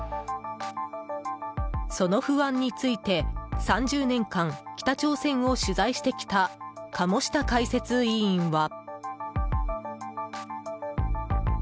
その不安について３０年間、北朝鮮を取材してきた鴨下解説委員は。